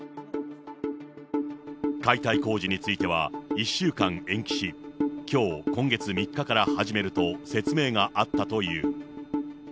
解体工事については１週間延期し、きょう今月３日から始めると説明があったという。